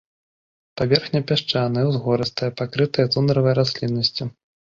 Паверхня пясчаная, узгорыстая, пакрытая тундравай расліннасцю.